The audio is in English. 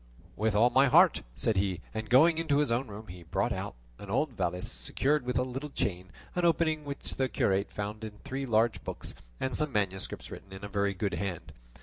"With all my heart," said he, and going into his own room he brought out an old valise secured with a little chain, on opening which the curate found in it three large books and some manuscripts written in a very good hand.